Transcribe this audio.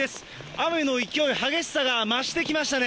雨の勢い、激しさが増してきましたね。